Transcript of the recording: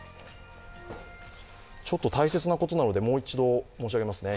ちょっと大切なことなのでもう一度申し上げますね。